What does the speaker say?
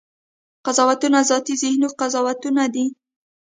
قضاوتونه ذاتي ذهني قضاوتونه دي.